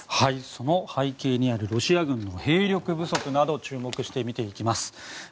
その背景にあるロシア軍の兵力不足などに注目して見ていきます。